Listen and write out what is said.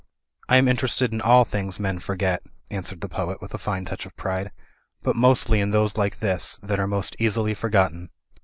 "I am interested in all things men forget," answered the poet, with a fine touch of pride, "but mostly in those like this, that are most easily forgotten."